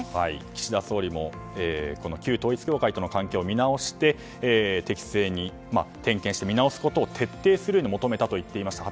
岸田総理も旧統一教会との関係を見直して適正に点検して、見直すことを徹底するように求めたと言っていました。